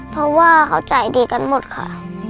เพราะว่าเขาใจดีกันหมดค่ะ